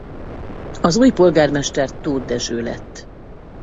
Az új polgármester Tóth Dezső lett.